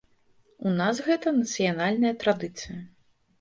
У нас гэта нацыянальная традыцыя.